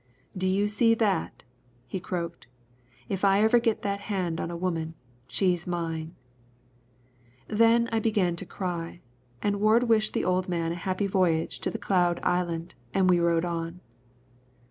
"Do you see that?" he croaked. "If I ever get that hand on a woman, she's mine." Then I began to cry, and Ward wished the old man a happy voyage to the cloud island, and we rode on.